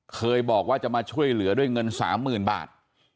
เคยบอกว่าจะมาช่วยเหลือด้วยเงิน๓๐๐๐บาท